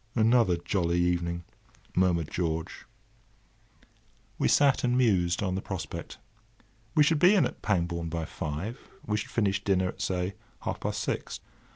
"Another jolly evening!" murmured George. We sat and mused on the prospect. We should be in at Pangbourne by five. We should finish dinner at, say, half past six.